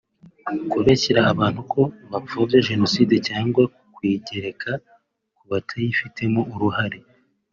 kubeshyera abantu ko bapfobya jenoside cyangwa kuyigereka kubatayifitemo uruhare